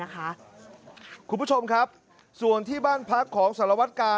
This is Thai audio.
คุณผู้ชมครับส่วนที่บ้านพักของสารวัตกา